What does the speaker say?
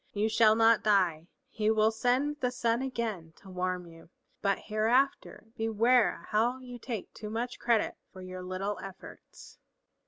You shall not die, he will send the sun again to warm you. But hereafter beware how you take too much credit for your little efforts."